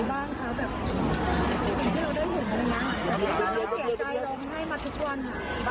บางจังหวะก็มีเพื่อนที่ช่วยตอบคำถามนะฮะ